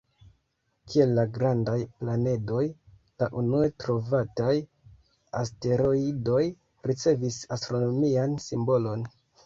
Kiel la "grandaj" planedoj, la unue-trovataj asteroidoj ricevis astronomian simbolon.